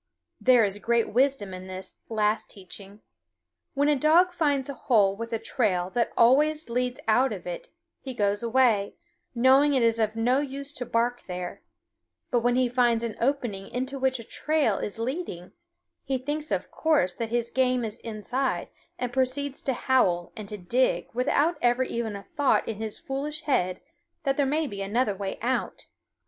There is great wisdom in this last teaching. When a dog finds a hole with a trail that always leads out of it he goes away, knowing it is of no use to bark there; but when he finds an opening into which a trail is leading, he thinks of course that his game is inside, and proceeds to howl and to dig without ever a thought in his foolish head that there may be another way out.